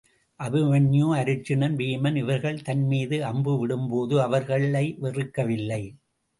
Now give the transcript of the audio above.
அபிமன்யு, அருச்சுனன், வீமன் இவர்கள் தன் மீது அம்பு விடும்போதும் அவர்களை வெறுக்கவில்லை.